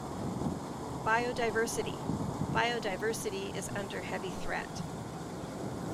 Biodiversity: Biodiversity is under heavy threat.